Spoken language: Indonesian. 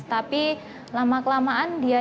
tapi lama kelamaan didot